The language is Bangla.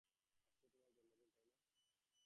আজকে তোমার জন্মদিন, তাই না?